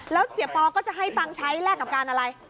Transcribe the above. แล้วเสียปอก็จะให้ตังค์ใช้แลกกับการอะไร